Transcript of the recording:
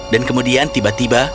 dan kemudian tiba tiba